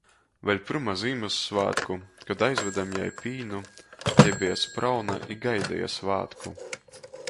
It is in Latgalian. Vēļ pyrma Zīmyssvātku, kod aizvedem jai pīnu, jei beja sprauna i gaideja svātku.